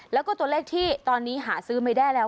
แล้วก็ตัวเลขที่ตอนนี้หาซื้อไม่ได้แล้ว